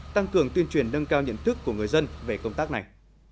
tăng cường tuyên truyền nâng cao nhận thức của người dân về công tác này